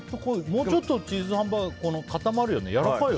もうちょっとチーズハンバーグって固まるよね。